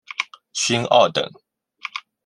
勋二等。